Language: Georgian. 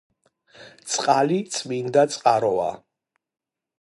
წყალი წმინდა წყაროა